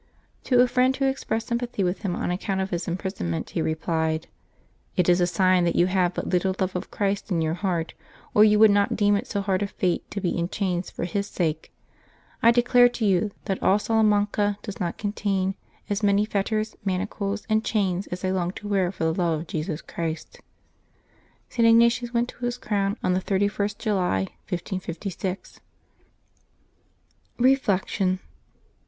To a friend who expressed sympathy with him on account of his imprisonment, he replied, " It is a sign that you have but little love of Christ in your heart, or you would not' deem it so hard a fate to be in chains for His sake. I declare to you that all Salamanca does not contain as many fetters, manacles, and chains as I long to wear for the love of Jesus Christ." St. Ignatius went to his crown on the 31st July, 1556. Reflection.